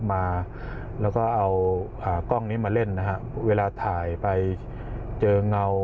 มาแล้วก็เอากล้องนี้มาเล่นนะฮะเวลาถ่ายไปเจอเงา